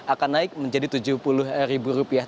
akan naik menjadi tujuh puluh ribu rupiah